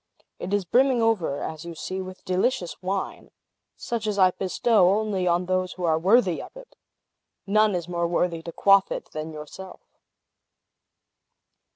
It is brimming over, as you see, with delicious wine, such as I bestow only on those who are worthy of it! None is more worthy to quaff it than yourself!"